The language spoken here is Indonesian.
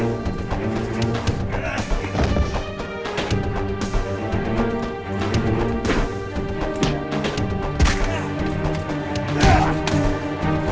terus tadi kamu keluarnya baik baik